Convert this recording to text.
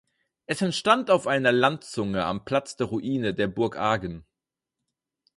Es entstand auf einer Landzunge am Platz der Ruine der Burg Argen.